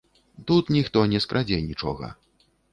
Тут ніхто не скрадзе нічога.